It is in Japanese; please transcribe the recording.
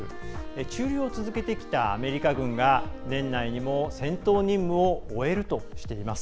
駐留を続けてきたアメリカ軍が年内にも、戦闘任務を終えるとしています。